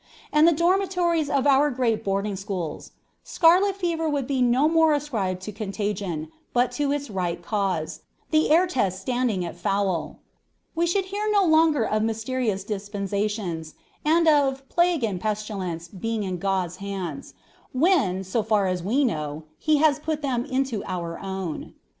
"' And the dormitories of our great boarding schools! Scarlet fever would be no more ascribed to contagion, but to its right cause, the air test standing at 'Foul.' We should hear no longer of 'Mysterious Dispensations' and of 'Plague and Pestilence' being in 'God's hands,' when, so far as we know, He has put them into our own."